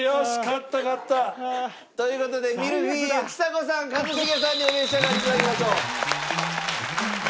勝った勝った。という事でミルフィーユちさ子さん一茂さんにお召し上がり頂きましょう。